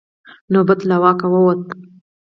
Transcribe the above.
نوبت له واکه ووت.